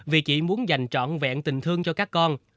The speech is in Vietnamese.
vì chị muốn dành trọn vẹn tình thương cho các con